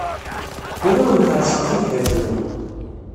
Ur awen-ferrseɣ tibḥirt-nwen.